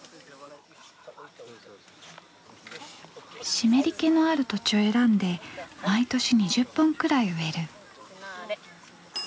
湿り気のある土地を選んで毎年２０本くらい植える。